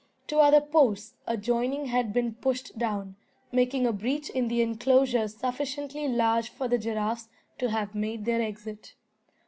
Two other posts adjoining had been pushed down, making a breach in the enclosure sufficiently large for the giraffes to have made their exit.